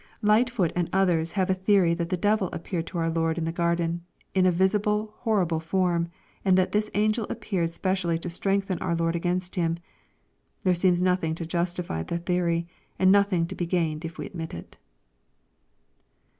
Lightfoot and others have a theory that the devil appeared to our Lord in the garden, in a visible horrible form, and that this angel appeared specially to strengthen our Lord against him. There seems nothing to justify the theory, and nothing to be gained if we admit it.